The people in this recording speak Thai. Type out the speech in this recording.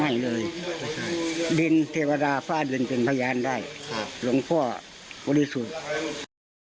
ให้เลยดินเทวดาฟ้าดินเป็นพยานได้ครับหลวงพ่อบริสุทธิ์